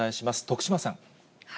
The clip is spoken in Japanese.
徳島さん。